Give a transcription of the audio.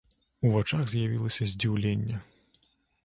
У вачах з'явілася здзіўленне.